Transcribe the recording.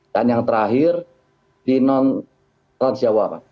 dan yang terakhir di transjawa pak